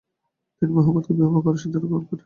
তিনি মুহাম্মাদকে বিবাহ করার সিদ্ধান্ত গ্রহণ করেন।